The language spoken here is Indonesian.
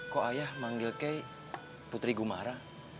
kok ayah manggil key putri gumara